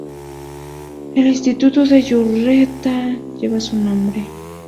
El instituto de Yurreta lleva su nombre.